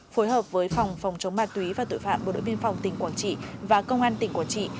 phối hợp với phòng phòng chống ma túy và tội phạm bộ đội biên phòng tỉnh quảng trị và công an tỉnh quảng trị